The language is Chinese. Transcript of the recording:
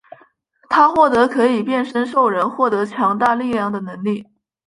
他获得可以变身兽人获得强大力量的能力。